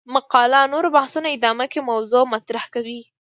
مقاله نورو بحثونو ادامه کې موضوع مطرح کوي.